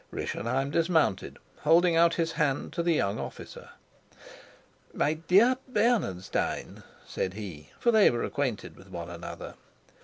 Rischenheim dismounted, holding out his hand to the young officer. "My dear Bernenstein!" said he, for they were acquainted with one another.